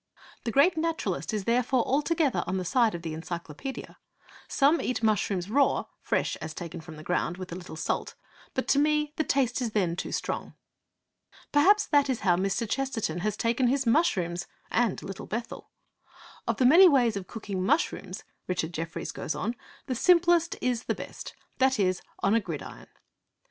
The great naturalist is therefore altogether on the side of the Encyclopaedia. 'Some eat mushrooms raw, fresh as taken from the ground, with a little salt; but to me the taste is then too strong.' Perhaps that is how Mr. Chesterton has taken his mushrooms and Little Bethel!' Of the many ways of cooking mushrooms,' Richard Jefferies goes on, 'the simplest is the best; that is, on a gridiron.'